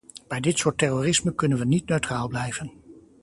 Bij dit soort terrorisme kunnen wij niet neutraal blijven.